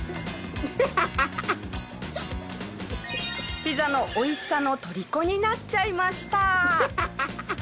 ピザの美味しさの虜になっちゃいました。